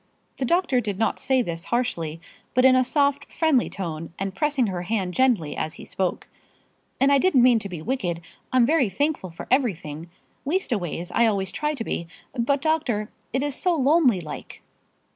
The doctor did not say this harshly, but in a soft, friendly tone, and pressing her hand gently as he spoke. "And I didn't mean to be wicked. I'm very thankful for everything leastways, I always try to be. But, doctor, it is so lonely like."